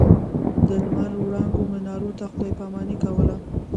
د لمر وړانګې منارو ته خداې پا ماني کوله.